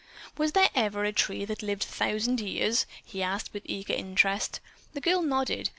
"Was there ever a tree that lived a thousand years?" he asked with eager interest. The girl nodded.